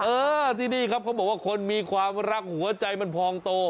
เออที่นี่ครับเขาบอกว่าคนมีความรักหัวใจมันพองโต